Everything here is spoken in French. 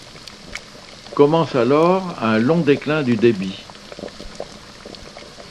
Commence alors un long déclin du débit.